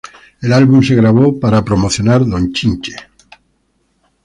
El álbum se grabó para promocionar Don Chinche.